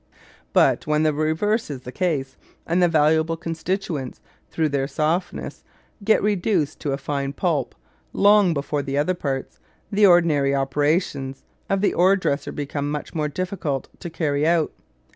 But when the reverse is the case, and the valuable constituents through their softness get reduced to a fine pulp long before the other parts, the ordinary operations of the ore dresser become much more difficult to carry out.